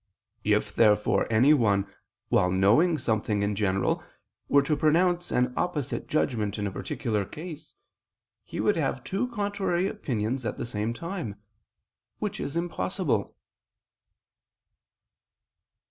If therefore anyone, while knowing something in general, were to pronounce an opposite judgment in a particular case, he would have two contrary opinions at the same time, which is impossible.